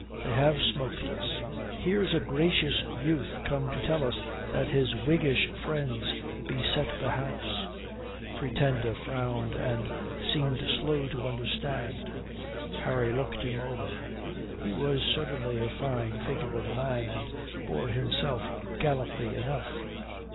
They have smoked us. Here's a gracious youth come to tell us that his Whiggish friends beset the house." The Pretender frowned and seemed slow to understand. Harry looked him over. He was certainly a fine figure of a man, and bore himself gallantly enough.